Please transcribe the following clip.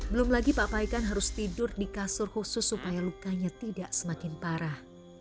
belum lagi pak paikan harus tidur di kasur khusus supaya lukanya tidak semakin parah